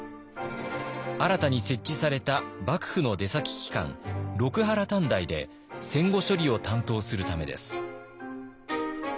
新たに設置された幕府の出先機関六波羅探題で戦後処理を担当するためです。